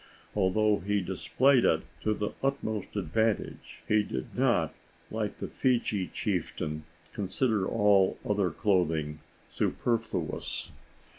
Although he displayed it to the utmost advantage, he did not, like the Fiji chieftain, consider all other clothing superfluous.